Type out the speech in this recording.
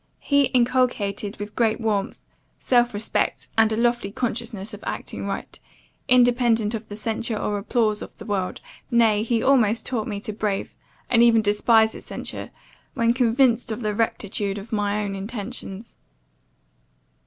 He inculcated, with great warmth, self respect, and a lofty consciousness of acting right, independent of the censure or applause of the world; nay, he almost taught me to brave, and even despise its censure, when convinced of the rectitude of my own intentions.